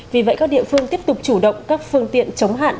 vì vậy các địa phương tiếp tục chủ động các phương tiện chống hạn